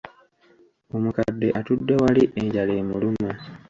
Omukadde atudde wali enjala emuluma.